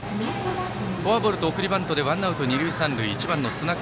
フォアボールと送りバントでワンアウト、二塁三塁。